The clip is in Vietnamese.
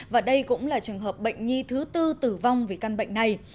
và đây cũng là trường hợp bệnh nhi thứ tư tử vong vì căn bệnh này